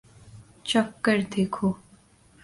چکھ کر دیکھو